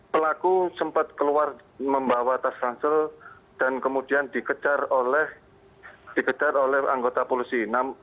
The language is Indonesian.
pelaku sempat keluar membawa tas ransel dan kemudian dikejar oleh anggota polisi